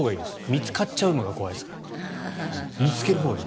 見つかっちゃうのが怖いですから。